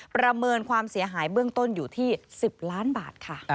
ประเมินความเสียหายเบื้องต้นอยู่ที่๑๐ล้านบาทค่ะ